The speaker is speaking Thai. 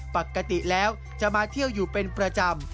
ปกติแล้วจะมาเที่ยวอยู่เป็นประจำ